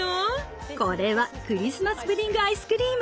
これはクリスマスプディング・アイスクリーム。